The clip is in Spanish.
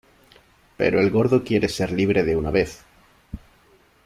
Pero el Gordo quiere ser libre de una vez.